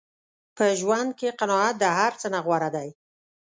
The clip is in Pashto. په ژوند کې قناعت د هر څه نه غوره دی.